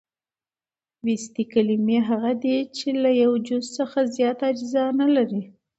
بسیطي کلیمې هغه دي، چي له یوه جز څخه زیات اجزا نه لري.